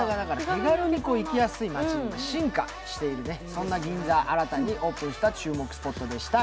手軽に行きやすい街に進化している、そんな銀座に新たにオープンしたお店でした。